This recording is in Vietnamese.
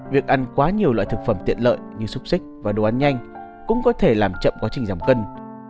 việc ăn quá nhiều loại thực phẩm tiện lợi như xúc xích và đồ ăn nhanh cũng có thể làm chậm quá trình giảm cân